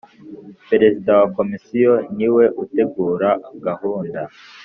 Perezida wa Komisiyo ni we utegura gahunda